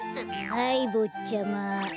はいぼっちゃま。